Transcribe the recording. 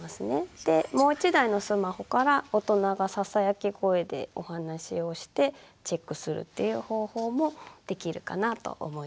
でもう１台のスマホから大人がささやき声でお話をしてチェックするっていう方法もできるかなと思います。